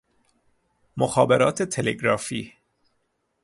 مخابرات تلگرافی